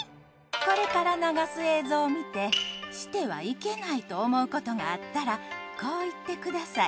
これから流す映像を見てしてはいけないと思うことがあったらこう言ってください。